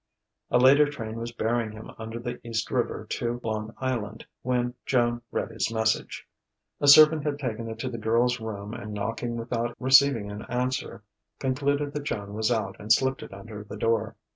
A later train was bearing him under the East River to Long Island when Joan read his message. A servant had taken it to the girl's room and, knocking without receiving an answer, concluded that Joan was out and slipped it under the door.